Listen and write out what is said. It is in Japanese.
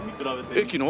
駅の？